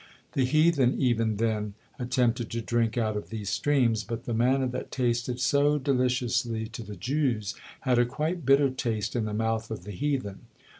The heathen even then attempted to drink out of these streams, but the manna that tasted so deliciously to the Jews, had a quite bitter taste in the mouth of the heathen.